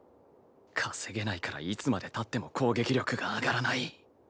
稼げないからいつまでたっても攻撃力が上がらない。